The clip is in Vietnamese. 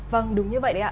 vâng đúng như vậy đấy ạ